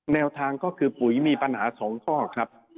แนวทางก็คือปุ๋ยมีปัญหา๒ข้อครับ